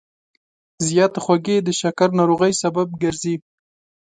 زیاتې خوږې د شکر ناروغۍ سبب ګرځي.